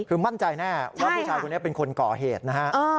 คือมั่นใจแน่ว่าผู้ชายคนนี้เป็นคนก่อเหตุนะฮะ